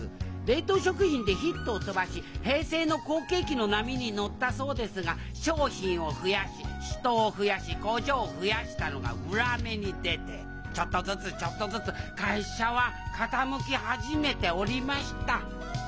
冷凍食品でヒットを飛ばし平成の好景気の波に乗ったそうですが商品を増やし人を増やし工場を増やしたのが裏目に出てちょっとずつちょっとずつ会社は傾き始めておりました。